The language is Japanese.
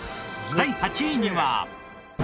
第８位には。